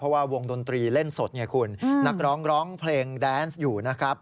เพราะว่าวงดนตรีเล่นสดไงคุณนักร้องร้องเพลงแดนซ์อยู่นะครับ